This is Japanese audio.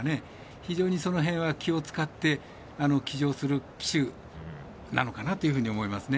非常に、その辺は気を使って騎乗する騎手なのかなと思いますね。